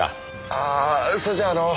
ああそれじゃああの。